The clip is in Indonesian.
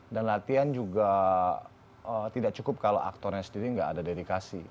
dan latihan juga tidak cukup kalau aktornya sendiri tidak ada dedikasi